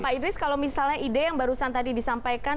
pak idris kalau misalnya ide yang barusan tadi disampaikan